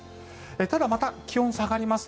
ただ、また気温が下がります。